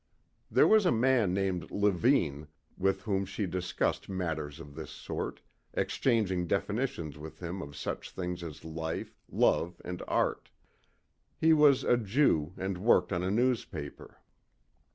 There was a man named Levine with whom she discussed matters of this sort, exchanging definitions with him of such things as life, love and art. He was a Jew and worked on a newspaper.